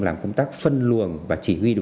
làm công tác phân luồng và chỉ huy điều kiện